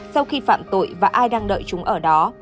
sau khi phạm tội và ai đang đợi chúng ở đó